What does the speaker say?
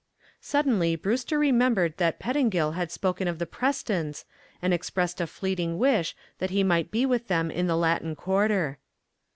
Suddenly Brewster remembered that Pettingill had spoken of the Prestons and expressed a fleeting wish that he might be with them in the Latin Quarter.